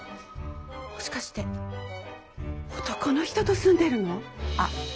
もしかして男の人と住んでるの？